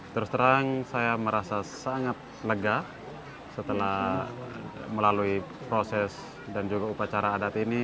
terus terang saya merasa sangat lega setelah melalui proses dan juga upacara adat ini